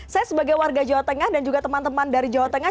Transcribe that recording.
saya sebagai warga jawa tengah dan juga teman teman dari jawa tengah